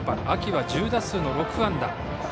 秋は１０打数の６安打。